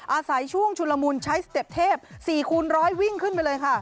อาศัยช่วงชุนละมุนใช้สเต็ปเทพ๔คูณร้อยวิ่งขึ้นไปเลยค่ะ